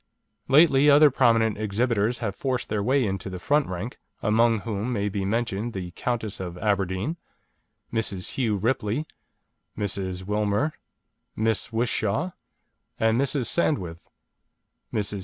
Lately other prominent exhibitors have forced their way into the front rank, among whom may be mentioned the Countess of Aberdeen, Mrs. Hugh Ripley, Mrs. Wilmer, Miss Whishaw, and Mrs. Sandwith. Mrs.